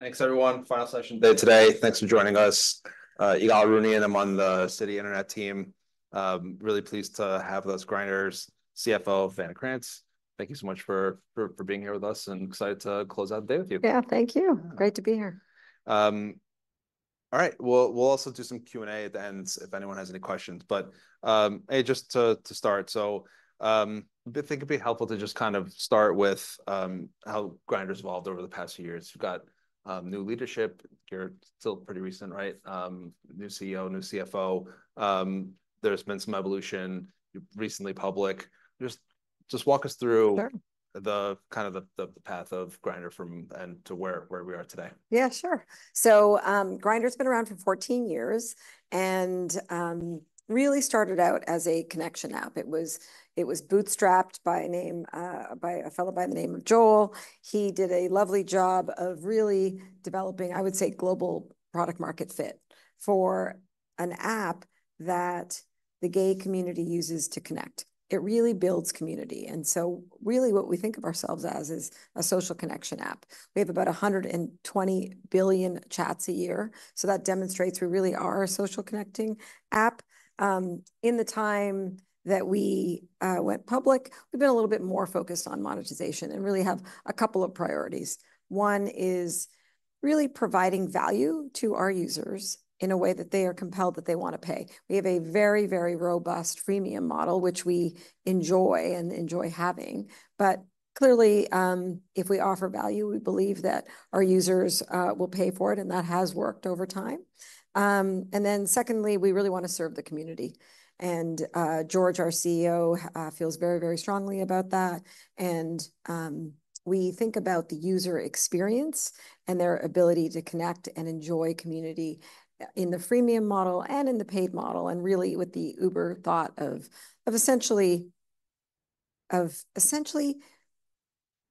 Thanks, everyone. Final session of the day today. Thanks for joining us. Ygal Arounian, and I'm on the Citi Internet team. Really pleased to have with us Grindr's CFO, Vanna Krantz. Thank you so much for being here with us, and excited to close out the day with you. Yeah, thank you. Great to be here. All right. We'll also do some Q&A at the end if anyone has any questions. But, hey, just to start, so, I think it'd be helpful to just kind of start with how Grindr's evolved over the past few years. You've got new leadership. You're still pretty recent, right? New CEO, new CFO. There's been some evolution. You're recently public. Just walk us through- Sure... the kind of path of Grindr from and to where we are today. Yeah, sure. So, Grindr's been around for 14 years, and really started out as a connection app. It was bootstrapped by a fellow by the name of Joel. He did a lovely job of really developing, I would say, global product market fit for an app that the gay community uses to connect. It really builds community, and so really what we think of ourselves as is a social connection app. We have about 120 billion chats a year, so that demonstrates we really are a social connecting app. In the time that we went public, we've been a little bit more focused on monetization and really have a couple of priorities. One is really providing value to our users in a way that they are compelled that they wanna pay. We have a very, very robust freemium model, which we enjoy and enjoy having. But clearly, if we offer value, we believe that our users will pay for it, and that has worked over time. And then secondly, we really wanna serve the community, and George, our CEO, feels very, very strongly about that. And we think about the user experience and their ability to connect and enjoy community in the freemium model and in the paid model, and really with the Uber thought of essentially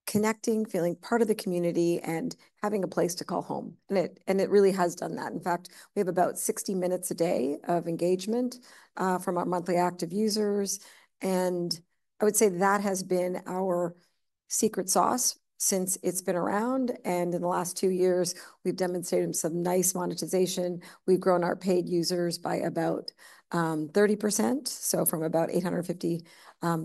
connecting, feeling part of the community, and having a place to call home. And it really has done that. In fact, we have about 60 minutes a day of engagement from our monthly active users, and I would say that has been our secret sauce since it's been around, and in the last two years, we've demonstrated some nice monetization. We've grown our paid users by about 30%, so from about 850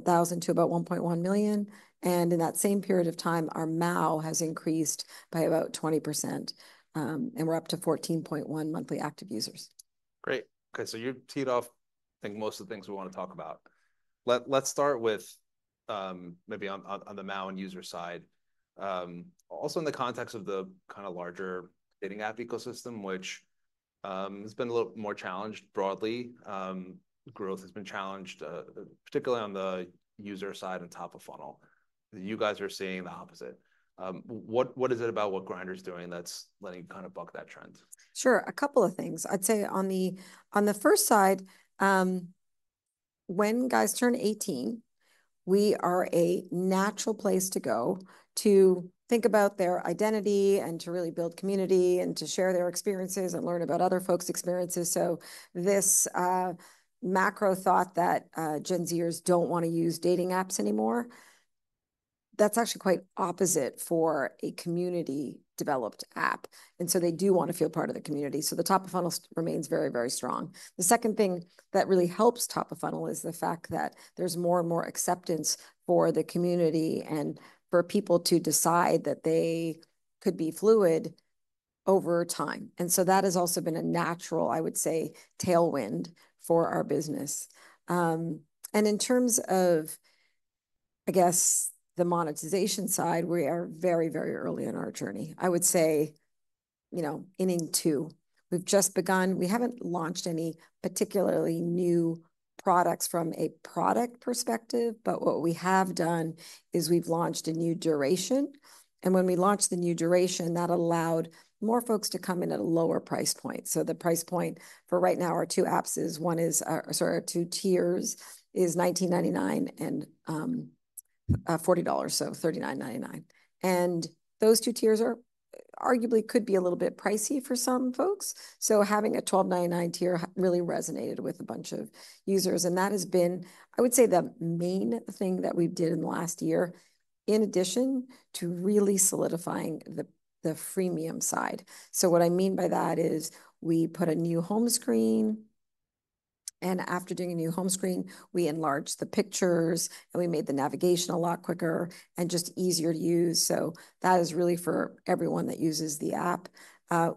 thousand to about 1.1 million, and in that same period of time, our MAU has increased by about 20%, and we're up to 14.1 monthly active users. Great. Okay, so you've teed off, I think, most of the things we wanna talk about. Let's start with maybe on the MAU and user side, also in the context of the kinda larger dating app ecosystem, which has been a little more challenged broadly. Growth has been challenged, particularly on the user side and top of funnel. You guys are seeing the opposite. What is it about what Grindr's doing that's letting you kind of buck that trend? Sure. A couple of things. I'd say on the first side, when guys turn 18, we are a natural place to go to think about their identity and to really build community and to share their experiences and learn about other folks' experiences. So this macro thought that Gen Zers don't wanna use dating apps anymore, that's actually quite opposite for a community-developed app. And so they do wanna feel part of the community, so the top of funnel remains very, very strong. The second thing that really helps top of funnel is the fact that there's more and more acceptance for the community and for people to decide that they could be fluid over time, and so that has also been a natural, I would say, tailwind for our business. In terms of, I guess, the monetization side, we are very, very early in our journey. I would say, you know, inning two. We've just begun. We haven't launched any particularly new products from a product perspective, but what we have done is we've launched a new duration, and when we launched the new duration, that allowed more folks to come in at a lower price point. The price point for right now. Sorry, our two tiers is $19.99 and $40, so $39.99. Those two tiers are, arguably, could be a little bit pricey for some folks, so having a $12.99 tier really resonated with a bunch of users, and that has been, I would say, the main thing that we did in the last year, in addition to really solidifying the freemium side. So what I mean by that is, we put a new home screen, and after doing a new home screen, we enlarged the pictures, and we made the navigation a lot quicker and just easier to use. So that is really for everyone that uses the app.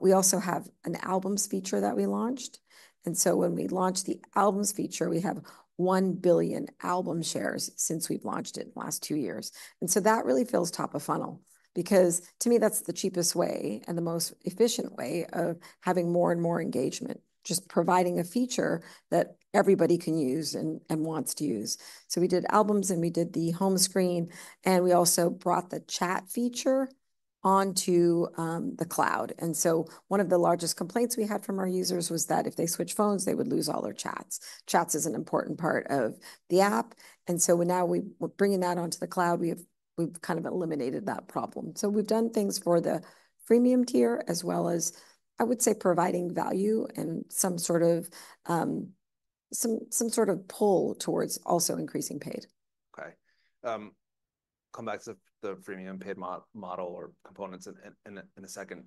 We also have an albums feature that we launched, and so when we launched the albums feature, we have 1 billion album shares since we've launched it in the last two years. And so that really fills top of funnel, because to me, that's the cheapest way and the most efficient way of having more and more engagement, just providing a feature that everybody can use and wants to use. So we did albums, and we did the home screen, and we also brought the chat feature onto the cloud. And so one of the largest complaints we had from our users was that if they switched phones, they would lose all their chats. Chats is an important part of the app, and so now we're bringing that onto the cloud. We've kind of eliminated that problem. So we've done things for the freemium tier, as well as, I would say, providing value and some sort of pull towards also increasing paid. Okay. Come back to the Freemium paid model or components in a second.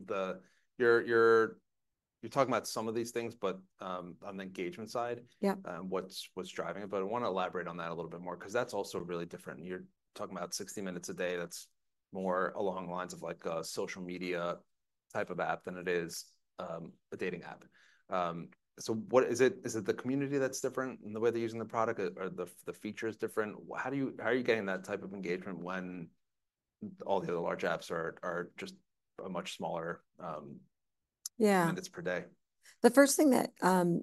You're talking about some of these things, but on the engagement side- Yeah... what's driving it? But I wanna elaborate on that a little bit more, 'cause that's also really different. You're talking about 60 minutes a day, that's more along the lines of, like, a social media type of app than it is, a dating app. So what is it? Is it the community that's different in the way they're using the product, or are the features different? How are you getting that type of engagement when all the other large apps are just a much smaller, Yeah... minutes per day? The first thing that,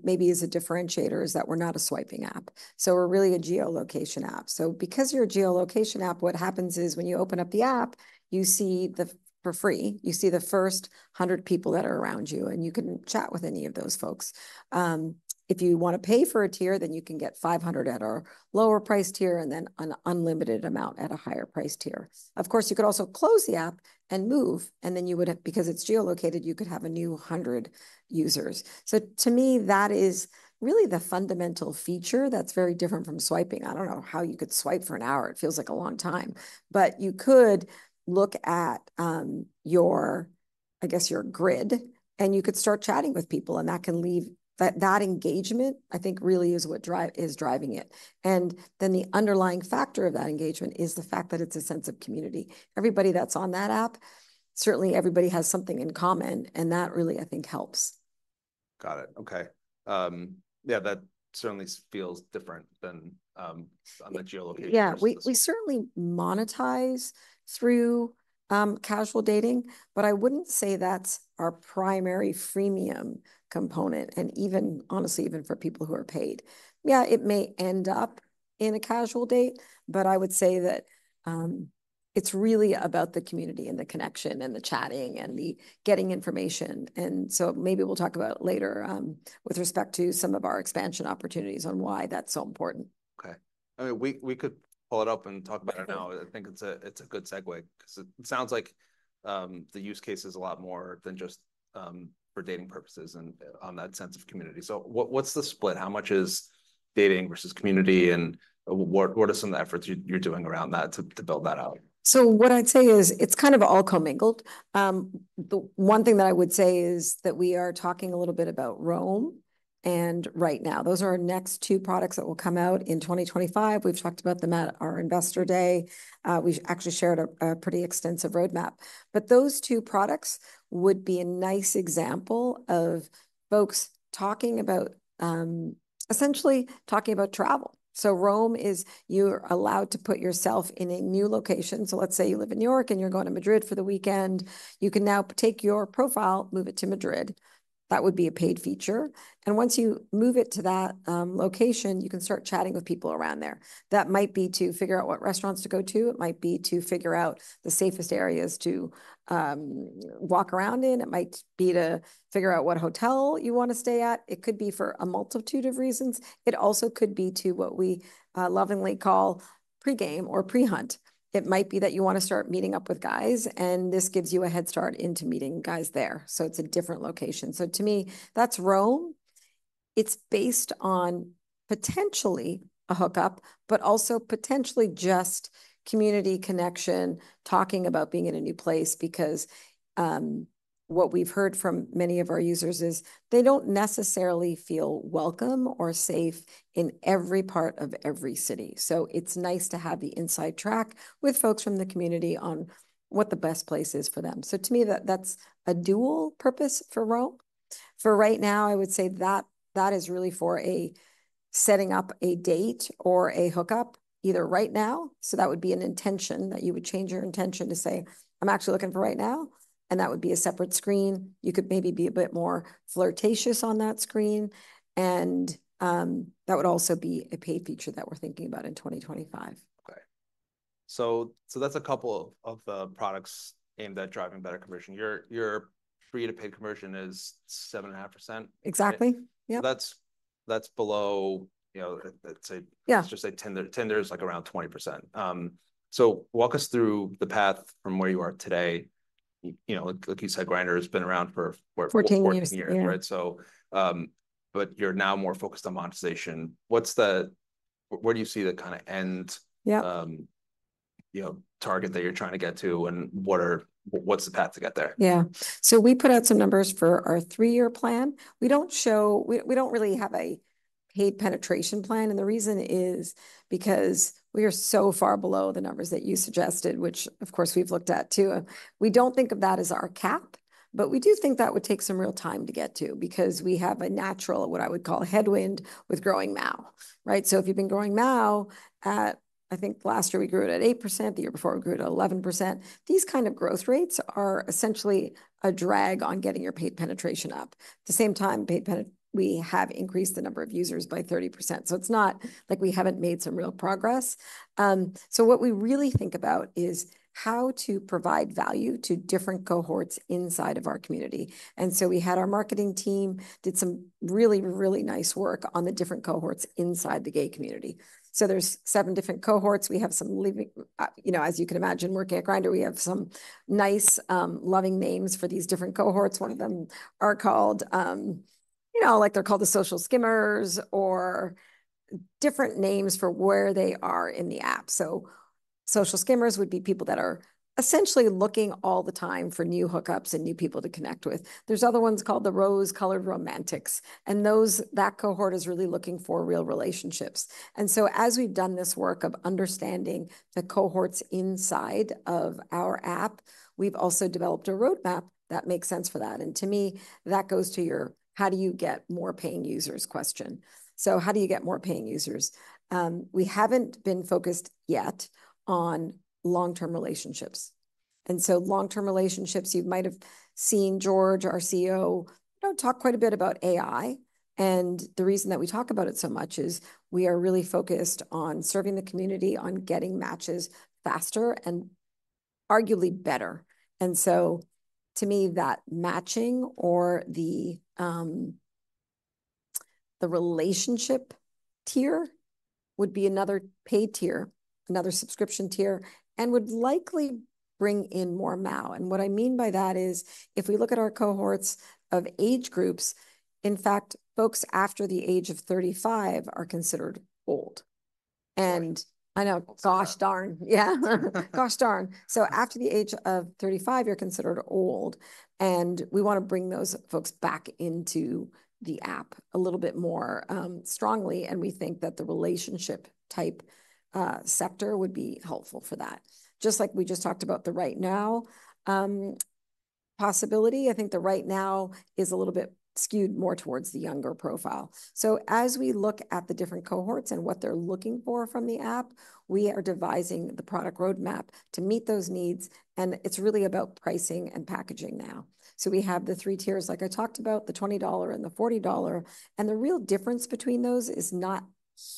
maybe is a differentiator is that we're not a swiping app. So we're really a geolocation app. So because you're a geolocation app, what happens is when you open up the app, you see the... for free, you see the first 100 people that are around you, and you can chat with any of those folks. If you wanna pay for a tier, then you can get 500 at our lower priced tier, and then an unlimited amount at a higher priced tier. Of course, you could also close the app and move, and then you would have, because it's geolocated, you could have a new 100 users. So to me, that is really the fundamental feature that's very different from swiping. I don't know how you could swipe for an hour. It feels like a long time. But you could look at your, I guess, your grid, and you could start chatting with people, and that can lead. That engagement, I think, really is what is driving it. And then the underlying factor of that engagement is the fact that it's a sense of community. Everybody that's on that app, certainly everybody has something in common, and that really, I think, helps. Got it. Okay. Yeah, that certainly feels different than on the geolocation- Yeah... space. We certainly monetize through casual dating, but I wouldn't say that's our primary freemium component, and even, honestly, even for people who are paid. Yeah, it may end up in a casual date, but I would say that it's really about the community, and the connection, and the chatting, and the getting information, and so maybe we'll talk about it later with respect to some of our expansion opportunities on why that's so important. Okay. I mean, we could pull it up and talk about it now. I think it's a good segue, 'cause it sounds like the use case is a lot more than just for dating purposes and on that sense of community. So what's the split? How much is dating versus community, and what are some of the efforts you're doing around that to build that out? So what I'd say is, it's kind of all co-mingled. The one thing that I would say is that we are talking a little bit about Roam, and right now, those are our next two products that will come out in 2025. We've talked about them at our Investor Day. We actually shared a pretty extensive roadmap. But those two products would be a nice example of folks talking about, essentially talking about travel. So Roam is, you're allowed to put yourself in a new location. So let's say you live in New York, and you're going to Madrid for the weekend. You can now take your profile, move it to Madrid. That would be a paid feature, and once you move it to that location, you can start chatting with people around there. That might be to figure out what restaurants to go to. It might be to figure out the safest areas to walk around in. It might be to figure out what hotel you wanna stay at. It could be for a multitude of reasons. It also could be to what we lovingly call pre-game or pre-hunt. It might be that you wanna start meeting up with guys, and this gives you a head start into meeting guys there, so it's a different location. So to me, that's Roam. It's based on potentially a hookup, but also potentially just community connection, talking about being in a new place, because what we've heard from many of our users is they don't necessarily feel welcome or safe in every part of every city. So it's nice to have the inside track with folks from the community on what the best place is for them. To me, that's a dual purpose for Roam. For right now, I would say that is really for setting up a date or a hookup, either right now, so that would be an intention, that you would change your intention to say, "I'm actually looking for right now," and that would be a separate screen. You could maybe be a bit more flirtatious on that screen, and that would also be a paid feature that we're thinking about in 2025. Okay. So that's a couple of the products aimed at driving better conversion. Your free-to-paid conversion is 7.5%? Exactly. Yep. That's below, you know. I'd say- Yeah... let's just say Tinder. Tinder is, like, around 20%. So walk us through the path from where you are today. You know, like you said, Grindr has been around for what- 14 years... 14 years. Yeah. Right, so, but you're now more focused on monetization. Where do you see the kind of end- Yeah... you know, target that you're trying to get to, and what's the path to get there? Yeah. So we put out some numbers for our three-year plan. We don't show. We don't really have a payer penetration plan, and the reason is because we are so far below the numbers that you suggested, which of course, we've looked at, too. We don't think of that as our cap, but we do think that would take some real time to get to, because we have a natural, what I would call, headwind with growing MAU, right? So if you've been growing MAU at, I think last year we grew it at 8%, the year before we grew it at 11%. These kind of growth rates are essentially a drag on getting your payer penetration up. At the same time, payer penetration. We have increased the number of users by 30%, so it's not like we haven't made some real progress. So what we really think about is how to provide value to different cohorts inside of our community, and so we had our marketing team did some really, really nice work on the different cohorts inside the gay community, so there's seven different cohorts. As you can imagine, working at Grindr, we have some nice, loving names for these different cohorts. One of them are called, you know, like, they're called the social skimmers or different names for where they are in the app. Social skimmers would be people that are essentially looking all the time for new hookups and new people to connect with. There's other ones called the rose-colored romantics, and those, that cohort is really looking for real relationships. As we've done this work of understanding the cohorts inside of our app, we've also developed a roadmap that makes sense for that. To me, that goes to your how do you get more paying users question. How do you get more paying users? We haven't been focused yet on long-term relationships. Long-term relationships, you might have seen George, our CEO, you know, talk quite a bit about AI, and the reason that we talk about it so much is we are really focused on serving the community, on getting matches faster and arguably better. To me, that matching or the, the relationship tier would be another paid tier, another subscription tier, and would likely bring in more MAU. What I mean by that is, if we look at our cohorts of age groups, in fact, folks after the age of 35 are considered old. Right. And I know, gosh darn! Yeah. Gosh darn. So after the age of 35, you're considered old, and we wanna bring those folks back into the app a little bit more strongly, and we think that the relationship-type sector would be helpful for that. Just like we just talked about the Right Now possibility, I think the Right Now is a little bit skewed more towards the younger profile. So as we look at the different cohorts and what they're looking for from the app, we are devising the product roadmap to meet those needs, and it's really about pricing and packaging now. So we have the three tiers like I talked about, the $20 and the $40, and the real difference between those is not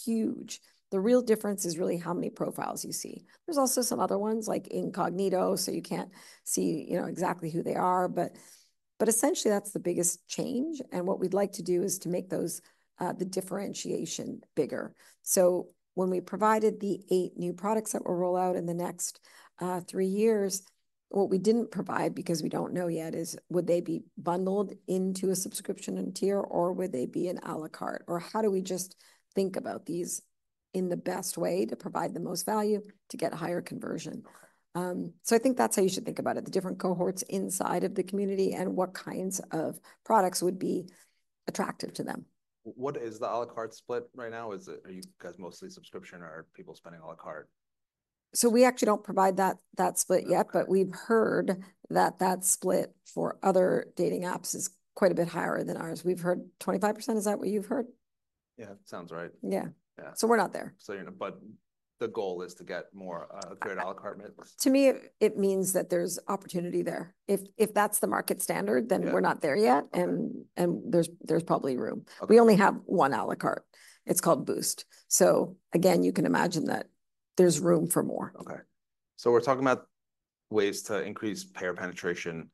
huge. The real difference is really how many profiles you see. There's also some other ones, like Incognito, so you can't see, you know, exactly who they are, but essentially that's the biggest change, and what we'd like to do is to make those the differentiation bigger, so when we provided the eight new products that will roll out in the next three years, what we didn't provide, because we don't know yet, is would they be bundled into a subscription and tier, or would they be an à la carte, or how do we just think about these in the best way to provide the most value to get higher conversion?, so I think that's how you should think about it, the different cohorts inside of the community and what kinds of products would be attractive to them. What is the à la carte split right now? Is it, are you guys mostly subscription, or are people spending à la carte? So we actually don't provide that split yet- Okay... but we've heard that that split for other dating apps is quite a bit higher than ours. We've heard 25%, is that what you've heard? Yeah, sounds right. Yeah. Yeah. So we're not there. So, you know, but the goal is to get a greater à la carte mix? To me, it means that there's opportunity there. If that's the market standard- Yeah... then we're not there yet, and there's probably room. Okay. We only have one à la carte. It's called Boost. So again, you can imagine that there's room for more. Okay, so we're talking about ways to increase payer penetration.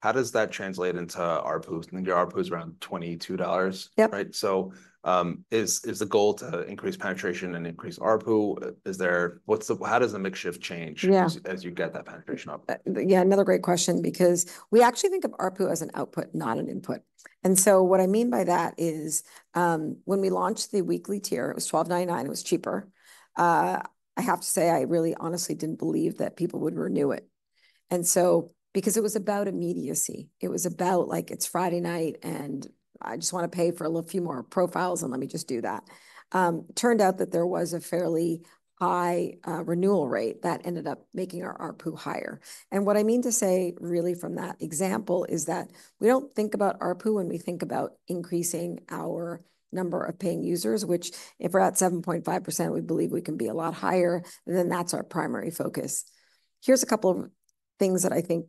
How does that translate into ARPU? I think your ARPU is around $22- Yep... right? So, is the goal to increase penetration and increase ARPU? Is there, what's the, how does the mix shift change- Yeah... as you get that penetration up? Yeah, another great question because we actually think of ARPU as an output, not an input. And so what I mean by that is, when we launched the weekly tier, it was $12.99, it was cheaper. I have to say, I really honestly didn't believe that people would renew it, and so, because it was about immediacy. It was about, like, it's Friday night, and I just wanna pay for a little few more profiles and let me just do that. Turned out that there was a fairly high renewal rate that ended up making our ARPU higher. And what I mean to say really from that example is that we don't think about ARPU when we think about increasing our number of paying users, which if we're at 7.5%, we believe we can be a lot higher, then that's our primary focus. Here's a couple of things that I think,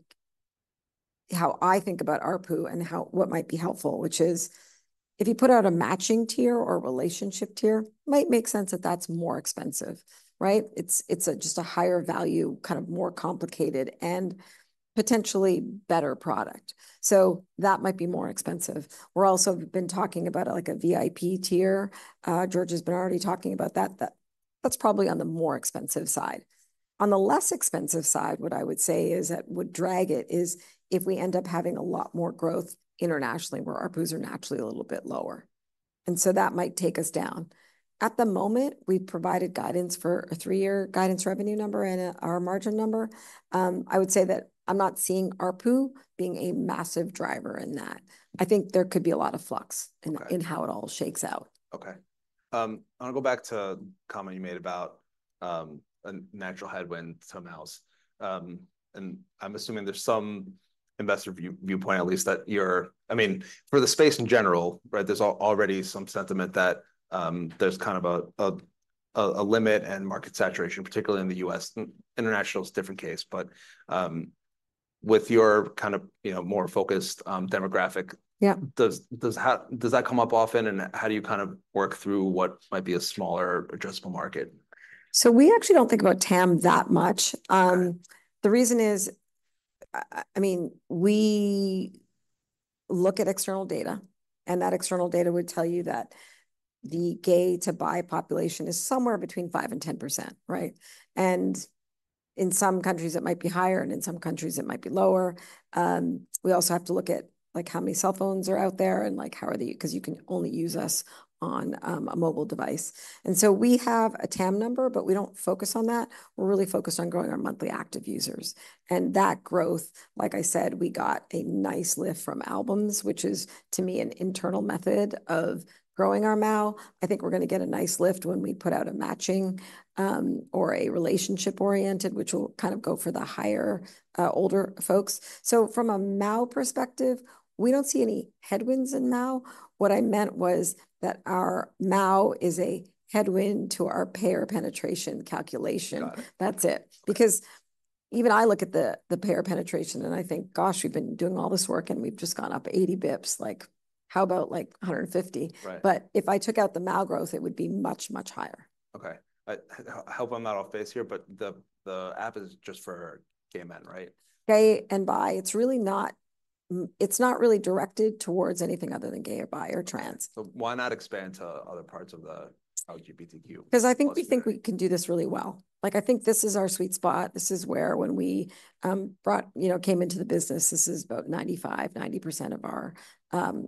how I think about ARPU and how, what might be helpful, which is, if you put out a matching tier or relationship tier, might make sense that that's more expensive, right? It's just a higher value, kind of more complicated and potentially better product. So that might be more expensive. We've also been talking about, like, a VIP tier. George has been already talking about that. That's probably on the more expensive side. On the less expensive side, what I would say is that would drag it, is if we end up having a lot more growth internationally, where ARPUs are naturally a little bit lower, and so that might take us down. At the moment, we've provided guidance for a three-year guidance revenue number and a, our margin number. I would say that I'm not seeing ARPU being a massive driver in that. I think there could be a lot of flux- Okay... in how it all shakes out. Okay. I wanna go back to a comment you made about a natural headwind to MAUs. And I'm assuming there's some investor viewpoint, at least, that you're... I mean, for the space in general, right, there's already some sentiment that there's kind of a limit and market saturation, particularly in the US. International is a different case, but with your kind of, you know, more focused demographic- Yeah... does that come up often, and how do you kind of work through what might be a smaller addressable market? We actually don't think about TAM that much. Okay. The reason is, I mean, we look at external data, and that external data would tell you that the gay to bi population is somewhere between 5%-10%, right? In some countries, it might be higher, and in some countries, it might be lower. We also have to look at, like, how many cell phones are out there, and, like, 'cause you can only use us on a mobile device. And so we have a TAM number, but we don't focus on that. We're really focused on growing our monthly active users. And that growth, like I said, we got a nice lift from albums, which is, to me, an internal method of growing our MAU. I think we're gonna get a nice lift when we put out a matching, or a relationship-oriented, which will kind of go for the higher, older folks. So from a MAU perspective, we don't see any headwinds in MAU. What I meant was that our MAU is a headwind to our payer penetration calculation. Got it. That's it. Great. Because even I look at the payer penetration, and I think, gosh, we've been doing all this work, and we've just gone up 80 basis points. Like, how about, like, 150? Right. But if I took out the MAU growth, it would be much, much higher. Okay. I hope I'm not off base here, but the app is just for gay men, right? Gay and bi. It's not really directed towards anything other than gay or bi or trans. So why not expand to other parts of the LGBTQ+? 'Cause I think we think we can do this really well. Like, I think this is our sweet spot. This is where when we, you know, came into the business, this is about 95%-90% of our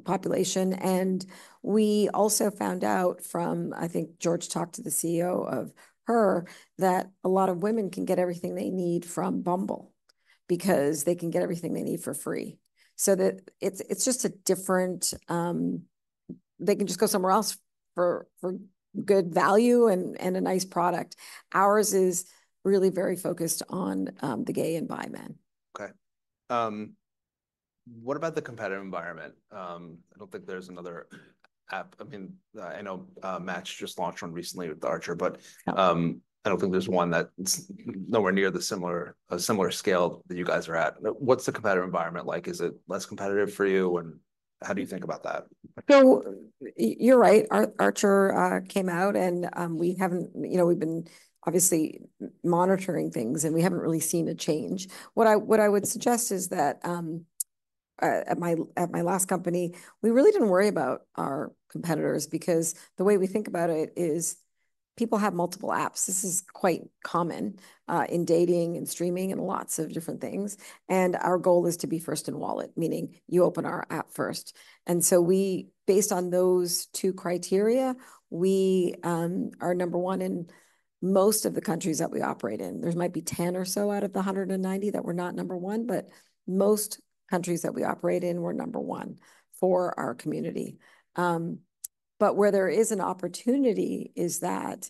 population. And we also found out from... I think George talked to the CEO of HER, that a lot of women can get everything they need from Bumble because they can get everything they need for free. So that it's, it's just a different... They can just go somewhere else for, for good value and, and a nice product. Ours is really very focused on the gay and bi men. Okay. What about the competitive environment? I don't think there's another app. I mean, I know, Match just launched one recently with Archer, but- Yeah... I don't think there's one that's nowhere near the similar scale that you guys are at. What's the competitive environment like? Is it less competitive for you, and how do you think about that? So, you're right. Archer came out, and we haven't, you know, we've been obviously monitoring things, and we haven't really seen a change. What I would suggest is that, at my last company, we really didn't worry about our competitors because the way we think about it is, people have multiple apps. This is quite common, in dating and streaming and lots of different things, and our goal is to be first in wallet, meaning you open our app first. And so we, based on those two criteria, we are number one in most of the countries that we operate in. There might be 10 or so out of the 190 that we're not number one, but most countries that we operate in, we're number one for our community. But where there is an opportunity is that,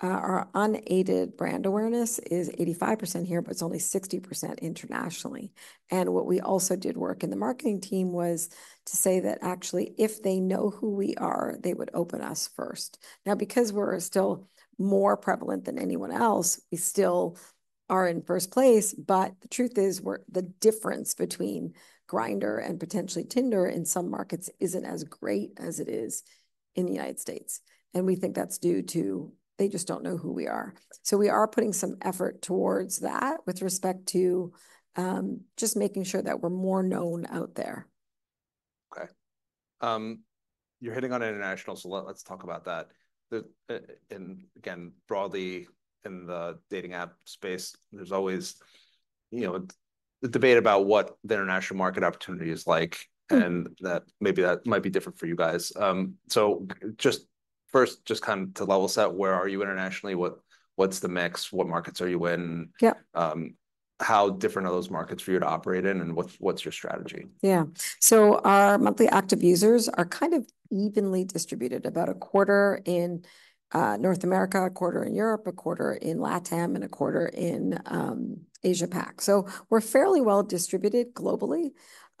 our unaided brand awareness is 85% here, but it's only 60% internationally. And what we also did work in the marketing team was to say that, actually, if they know who we are, they would open us first. Now, because we're still more prevalent than anyone else, we still are in first place, but the truth is, we're the difference between Grindr and potentially Tinder in some markets isn't as great as it is in the United States, and we think that's due to, they just don't know who we are. So we are putting some effort towards that with respect to, just making sure that we're more known out there. Okay. You're hitting on international, so let's talk about that. Again, broadly, in the dating app space, there's always, you know, the debate about what the international market opportunity is like- Mm... and that maybe that might be different for you guys, so just first, just kind of to level set, where are you internationally? What, what's the mix? What markets are you in? Yeah. How different are those markets for you to operate in, and what's your strategy? Yeah. So our monthly active users are kind of evenly distributed, about a quarter in North America, a quarter in Europe, a quarter in LATAM, and a quarter in Asia-Pac. So we're fairly well-distributed globally.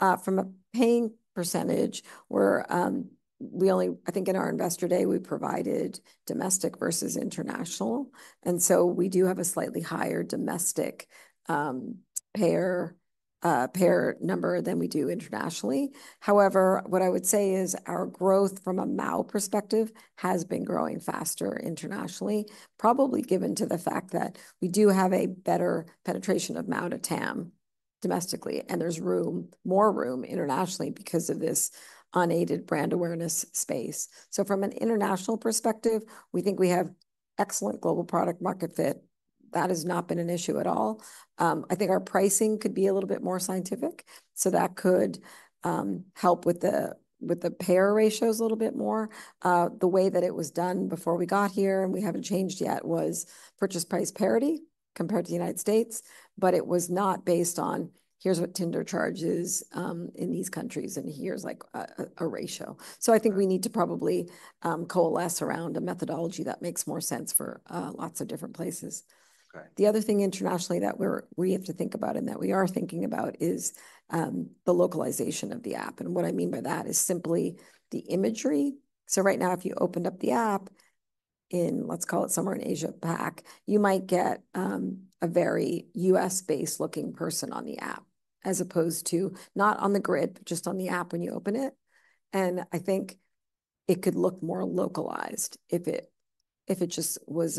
From a paying percentage, we're I think in our Investor Day, we provided domestic versus international, and so we do have a slightly higher domestic payer number than we do internationally. However, what I would say is, our growth from a MAU perspective has been growing faster internationally, probably given to the fact that we do have a better penetration of MAU to TAM domestically, and there's room, more room internationally because of this unaided brand awareness space. So from an international perspective, we think we have excellent global product market fit. That has not been an issue at all. I think our pricing could be a little bit more scientific, so that could help with the payer ratios a little bit more. The way that it was done before we got here, and we haven't changed yet, was purchase price parity compared to the United States, but it was not based on, here's what Tinder charges in these countries, and here's, like, a ratio. Right. So I think we need to probably coalesce around a methodology that makes more sense for lots of different places. Okay. The other thing internationally that we have to think about and that we are thinking about is the localization of the app, and what I mean by that is simply the imagery, so right now, if you opened up the app in, let's call it somewhere in Asia-Pac, you might get a very US-based looking person on the app, as opposed to, not on the grid, but just on the app when you open it, and I think it could look more localized if it just was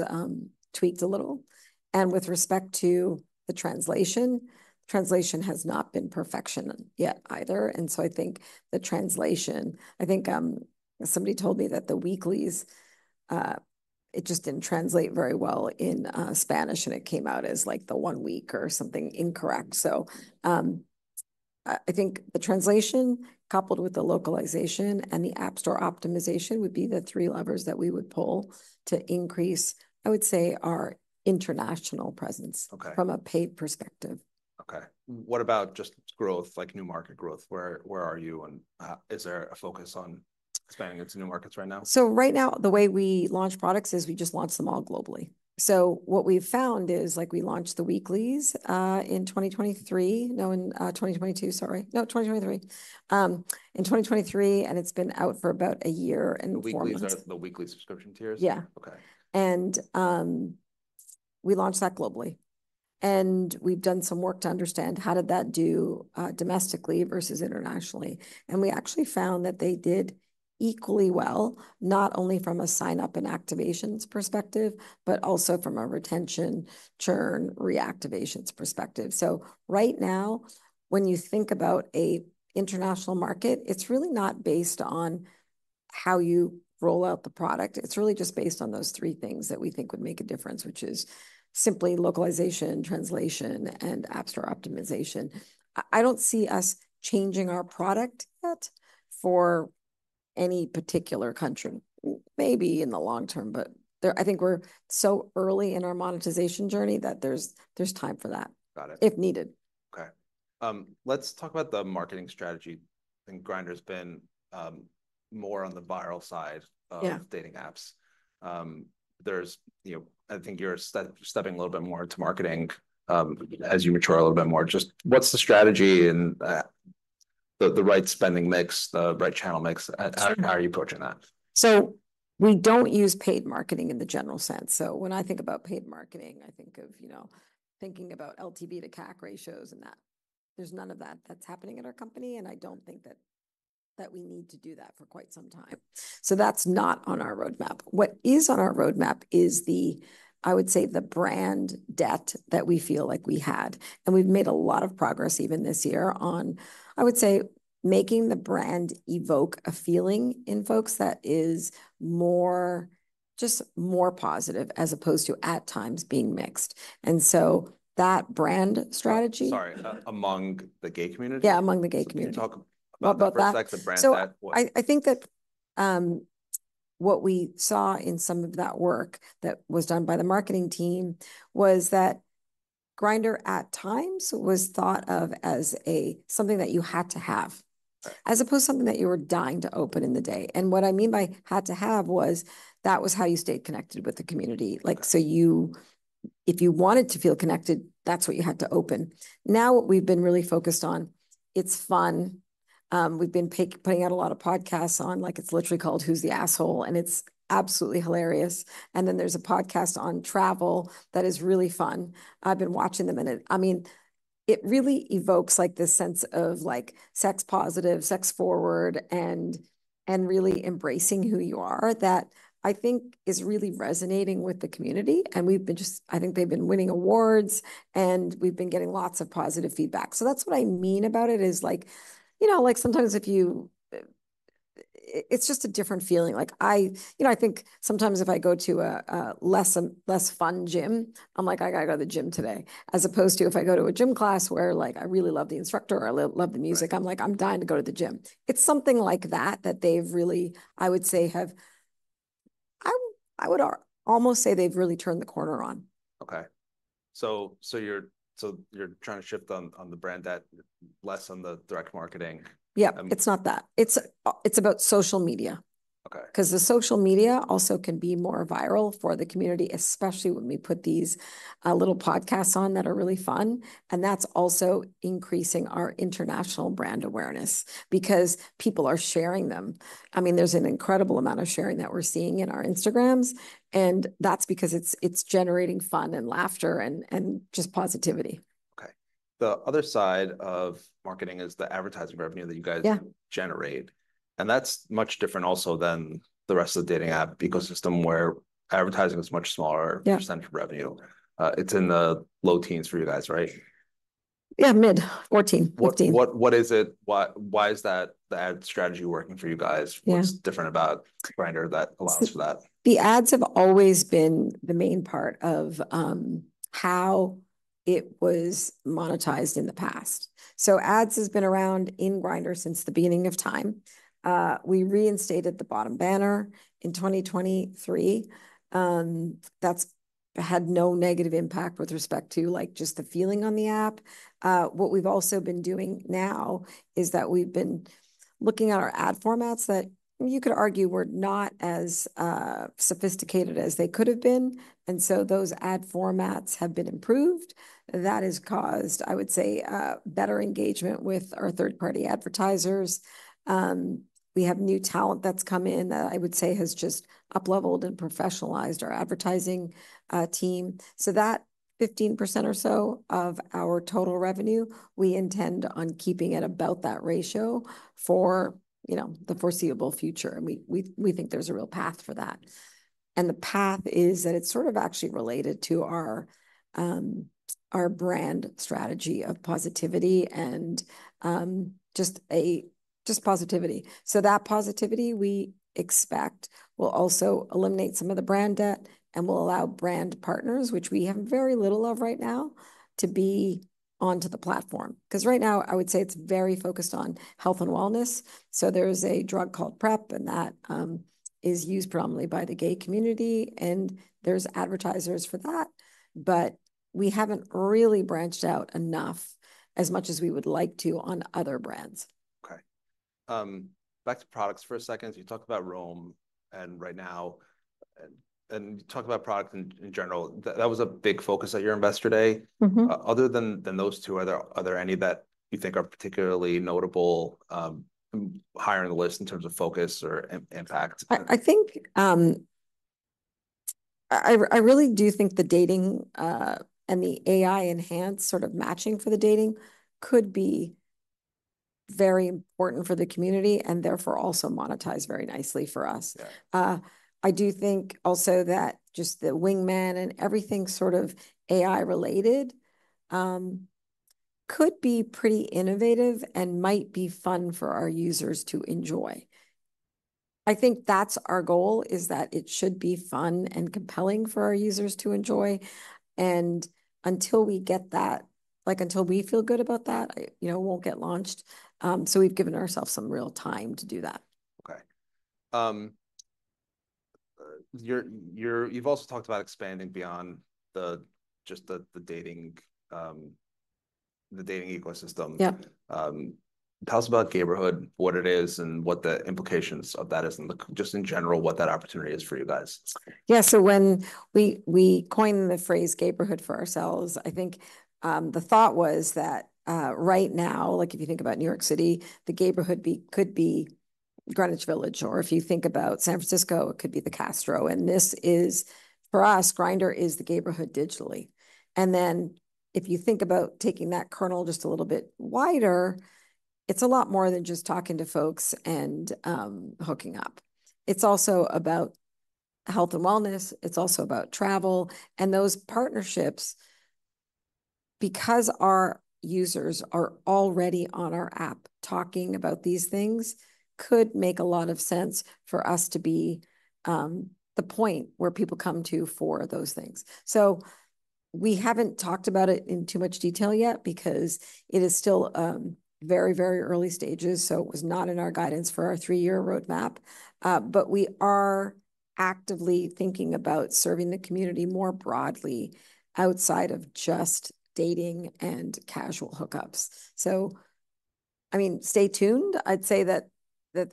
tweaked a little, and with respect to the translation, translation has not been perfection yet either, and so I think the translation, somebody told me that the weeklies it just didn't translate very well in Spanish, and it came out as, like, the one-week or something incorrect. I think the translation coupled with the localization and the app store optimization would be the three levers that we would pull to increase, I would say, our international presence. Okay. from a paid perspective. Okay. What about just growth, like new market growth? Where are you, and is there a focus on expanding into new markets right now? Right now, the way we launch products is we just launch them all globally. So what we've found is, like, we launched the Weeklies in 2023. No, in 2022, sorry. No, 2023. In 2023, and it's been out for about a year and four months. The weeklies are the weekly subscription tiers? Yeah. Okay. We launched that globally, and we've done some work to understand how did that do, domestically versus internationally, and we actually found that they did equally well, not only from a sign-up and activations perspective but also from a retention, churn, reactivations perspective. So right now, when you think about an international market, it's really not based on how you roll out the product. It's really just based on those three things that we think would make a difference, which is simply localization, translation, and app store optimization. I don't see us changing our product yet for any particular country. Maybe in the long term, but they're... I think we're so early in our monetization journey that there's time for that- Got it... if needed. Okay. Let's talk about the marketing strategy. I think Grindr's been more on the viral side- Yeah... of dating apps. There's, you know, I think you're stepping a little bit more to marketing, as you mature a little bit more. Just what's the strategy and the right spending mix, the right channel mix? Sure. How are you approaching that? So we don't use paid marketing in the general sense. So when I think about paid marketing, I think of, you know, thinking about LTV to CAC ratios and that. There's none of that that's happening at our company, and I don't think that we need to do that for quite some time. So that's not on our roadmap. What is on our roadmap is the, I would say, the brand debt that we feel like we had, and we've made a lot of progress even this year on, I would say, making the brand evoke a feeling in folks that is more, just more positive as opposed to, at times, being mixed. And so that brand strategy- Sorry, among the gay community? Yeah, among the gay community. So can you talk about that for a sec, the brand debt? What- I think that what we saw in some of that work that was done by the marketing team was that Grindr, at times, was thought of as a something that you had to have- Right... as opposed to something that you were dying to open in the day. And what I mean by had to have was that was how you stayed connected with the community. Like, so you, if you wanted to feel connected, that's what you had to open. Now, what we've been really focused on, it's fun. We've been putting out a lot of podcasts on, like, it's literally called Who's the Asshole, and it's absolutely hilarious. And then there's a podcast on travel that is really fun. I've been watching them, and it... I mean, it really evokes, like, this sense of, like, sex-positive, sex-forward, and, and really embracing who you are that I think is really resonating with the community. And I think they've been winning awards, and we've been getting lots of positive feedback. So that's what I mean about it is, like, you know, like, sometimes if you, it's just a different feeling. Like, you know, I think sometimes if I go to a less fun gym, I'm like, "I gotta go to the gym today," as opposed to if I go to a gym class where, like, I really love the instructor or love the music. Right... I'm like, "I'm dying to go to the gym." It's something like that, that they've really, I would say, I would almost say they've really turned the corner on. Okay. So, you're trying to shift on the brand bet, less on the direct marketing? Yeah. I mean- It's not that. It's about social media. Okay. 'Cause the social media also can be more viral for the community, especially when we put these little podcasts on that are really fun, and that's also increasing our international brand awareness because people are sharing them. I mean, there's an incredible amount of sharing that we're seeing in our Instagrams, and that's because it's generating fun and laughter and just positivity. Okay. The other side of marketing is the advertising revenue that you guys- Yeah... generate, and that's much different also than the rest of the dating app ecosystem, where advertising is much smaller- Yeah... percentage of revenue. It's in the low teens for you guys, right? Yeah, mid 14%, 15%. What is it? Why is that, the ad strategy working for you guys? Yeah. What's different about Grindr that allows for that? The ads have always been the main part of how it was monetized in the past. So ads has been around in Grindr since the beginning of time. We reinstated the bottom banner in 2023. That's had no negative impact with respect to, like, just the feeling on the app. What we've also been doing now is that we've been looking at our ad formats that you could argue were not as sophisticated as they could have been, and so those ad formats have been improved. That has caused, I would say, better engagement with our third-party advertisers. We have new talent that's come in that I would say has just upleveled and professionalized our advertising team. So that 15% or so of our total revenue, we intend on keeping it about that ratio for, you know, the foreseeable future, and we think there's a real path for that... and the path is that it's sort of actually related to our brand strategy of positivity and just positivity, so that positivity, we expect, will also eliminate some of the brand debt and will allow brand partners, which we have very little of right now, to be onto the platform. 'Cause right now, I would say it's very focused on health and wellness, so there's a drug called PrEP, and that is used prominently by the gay community, and there's advertisers for that. But we haven't really branched out enough, as much as we would like to, on other brands. Okay. Back to products for a second. So you talked about Roam and Right Now, and you talked about products in general. That was a big focus at your Investor Day. Mm-hmm. Other than those two, are there any that you think are particularly notable, higher on the list in terms of focus or impact? I think I really do think the dating and the AI-enhanced sort of matching for the dating could be very important for the community, and therefore, also monetize very nicely for us. Yeah. I do think also that just the wingman and everything sort of AI-related could be pretty innovative and might be fun for our users to enjoy. I think that's our goal, is that it should be fun and compelling for our users to enjoy, and until we get that, like, until we feel good about that, you know, it won't get launched. So we've given ourselves some real time to do that. Okay. You've also talked about expanding beyond just the dating ecosystem. Yep. Tell us about Gayborhood, what it is, and what the implications of that is, just in general, what that opportunity is for you guys? Yeah, so when we coined the phrase Gayborhood for ourselves, I think, the thought was that, right now, like if you think about New York City, the Gayborhood could be Greenwich Village, or if you think about San Francisco, it could be the Castro, and this is, for us, Grindr is the Gayborhood digitally, and then if you think about taking that kernel just a little bit wider, it's a lot more than just talking to folks and hooking up. It's also about health and wellness. It's also about travel, and those partnerships, because our users are already on our app talking about these things, could make a lot of sense for us to be the point where people come to for those things. So we haven't talked about it in too much detail yet because it is still, very, very early stages, so it was not in our guidance for our three-year roadmap. But we are actively thinking about serving the community more broadly outside of just dating and casual hookups. So I mean, stay tuned. I'd say that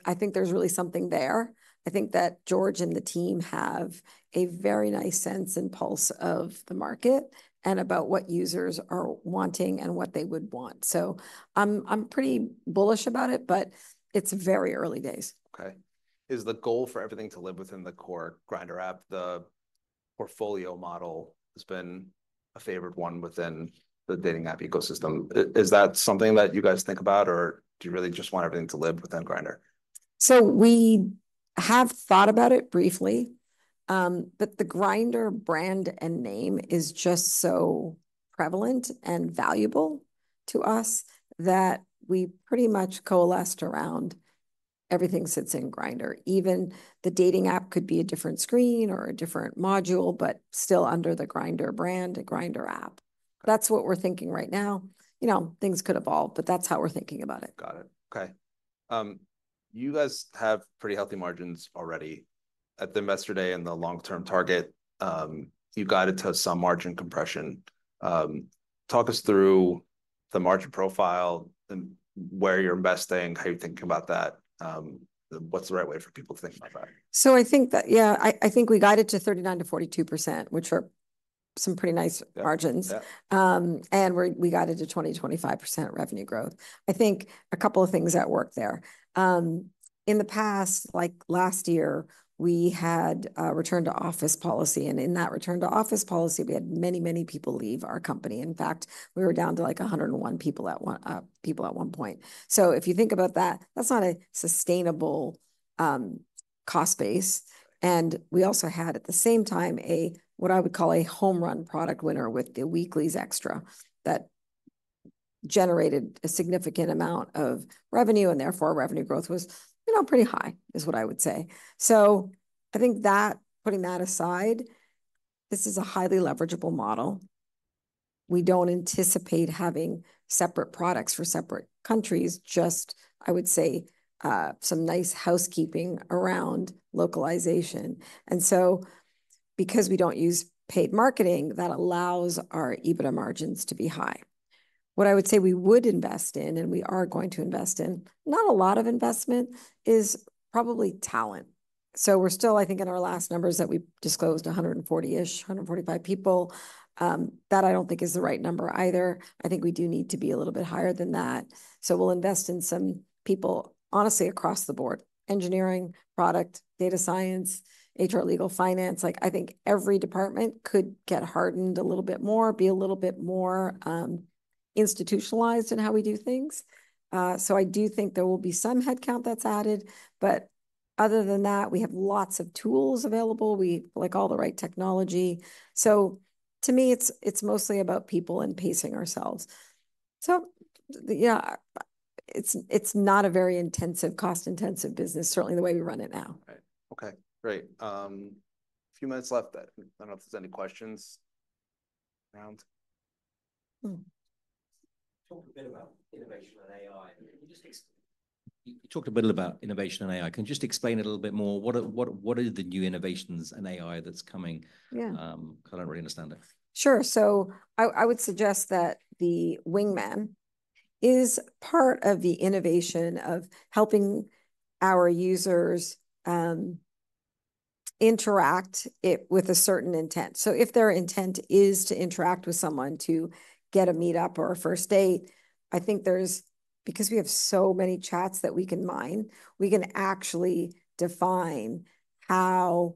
I think there's really something there. I think that George and the team have a very nice sense and pulse of the market and about what users are wanting and what they would want. So I'm pretty bullish about it, but it's very early days. Okay. Is the goal for everything to live within the core Grindr app? The portfolio model has been a favorite one within the dating app ecosystem. Is that something that you guys think about, or do you really just want everything to live within Grindr? So we have thought about it briefly, but the Grindr brand and name is just so prevalent and valuable to us that we pretty much coalesced around everything sits in Grindr. Even the dating app could be a different screen or a different module, but still under the Grindr brand, a Grindr app. Okay. That's what we're thinking right now. You know, things could evolve, but that's how we're thinking about it. Got it. Okay. You guys have pretty healthy margins already. At the Investor Day and the long-term target, you guided to some margin compression. Talk us through the margin profile and where you're investing, how you're thinking about that. What's the right way for people to think about it? So I think that, yeah, I, I think we guided to 39%-42%, which are some pretty nice margins. Yeah. Yeah. And we guided to 20%-25% revenue growth. I think a couple of things at work there. In the past, like last year, we had a return-to-office policy, and in that return-to-office policy, we had many, many people leave our company. In fact, we were down to, like, 101 people at one point. So if you think about that, that's not a sustainable cost base. And we also had, at the same time, a what I would call a home-run product winner with the Weeklies XTRA that generated a significant amount of revenue, and therefore, revenue growth was, you know, pretty high, is what I would say. So I think that, putting that aside, this is a highly leverageable model. We don't anticipate having separate products for separate countries, just, I would say, some nice housekeeping around localization. Because we don't use paid marketing, that allows our EBITDA margins to be high. What I would say we would invest in, and we are going to invest in, not a lot of investment, is probably talent. We're still, I think, in our last numbers that we disclosed 140-ish, 145 people. That I don't think is the right number either. I think we do need to be a little bit higher than that, so we'll invest in some people, honestly, across the board, engineering, product, data science, HR, legal, finance. Like, I think every department could get hardened a little bit more, be a little bit more institutionalized in how we do things. I do think there will be some headcount that's added, but other than that, we have lots of tools available. We, like, all the right technology. To me, it's mostly about people and pacing ourselves. Yeah, it's not a very intensive, cost-intensive business, certainly the way we run it now. Right. Okay, great. A few minutes left. I don't know if there's any questions around. Mm. Talk a bit about innovation and AI. You talked a little about innovation and AI. Can you just explain a little bit more what are the new innovations in AI that's coming? Yeah. I don't really understand it. Sure. I would suggest that the Wingman is part of the innovation of helping our users interact with a certain intent. If their intent is to interact with someone to get a meetup or a first date, I think there's, because we have so many chats that we can mine, we can actually define how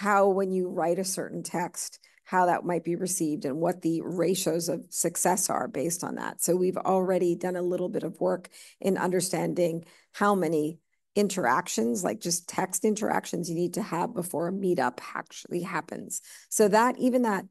when you write a certain text, how that might be received, and what the ratios of success are based on that. We've already done a little bit of work in understanding how many interactions, like just text interactions, you need to have before a meetup actually happens. That, even that,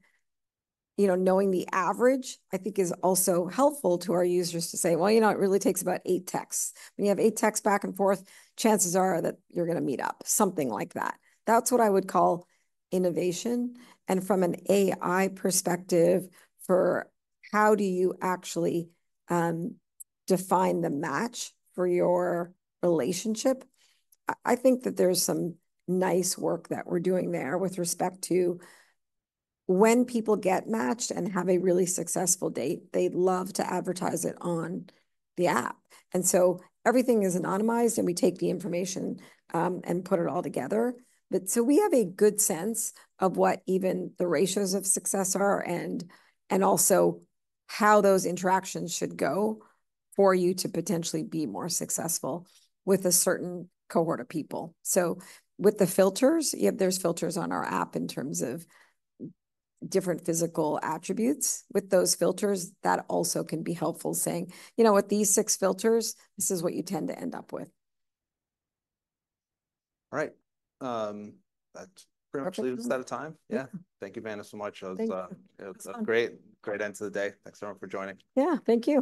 you know, knowing the average, I think is also helpful to our users to say, "Well, you know, it really takes about eight texts. When you have eight texts back and forth, chances are that you're gonna meet up," something like that. That's what I would call innovation, and from an AI perspective, for how do you actually define the match for your relationship? I think that there's some nice work that we're doing there with respect to when people get matched and have a really successful date. They love to advertise it on the app. And so everything is anonymized, and we take the information and put it all together. But so we have a good sense of what even the ratios of success are and also how those interactions should go for you to potentially be more successful with a certain cohort of people. So with the filters, yeah, there's filters on our app in terms of different physical attributes. With those filters, that also can be helpful saying, "You know, with these six filters, this is what you tend to end up with. All right, that's pretty much- Perfect... we're out of time. Yeah. Yeah. Thank you, Vanna, so much. Thank you. It's a great- It was fun.... great end to the day. Thanks, everyone, for joining. Yeah, thank you!